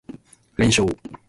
連勝